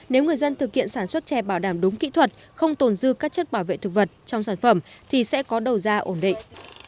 nếu người dân thực hiện sản xuất chè bảo đảm đúng kỹ thuật không tồn dư các chất bảo vệ thực vật trong sản phẩm thì sẽ có đầu ra ổn định